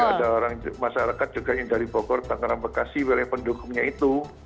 ada orang masyarakat juga yang dari bogor tangerang bekasi wilayah pendukungnya itu